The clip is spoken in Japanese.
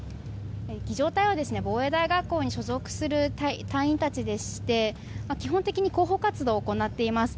儀仗隊は防衛大学校に所属する隊員たちでして基本的に広報活動を行っています。